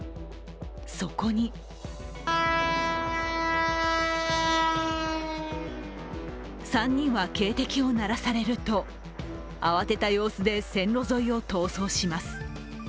そこに３人は警笛を鳴らされると慌てた様子で線路沿いを逃走します。